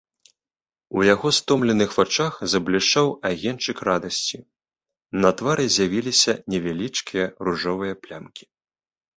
У яго стомленых вачах заблішчаў агеньчык радасці, на твары з'явіліся невялічкія ружовыя плямкі.